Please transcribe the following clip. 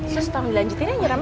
sus tolong dilanjutin aja rame